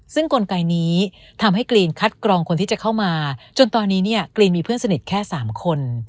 ซึ่งกลไกนี้ทำให้กรีนคัดกรองคนที่จะเข้ามาจนตอนนี้เนี่ยกรีนมีเพื่อนสนิทแค่๓คน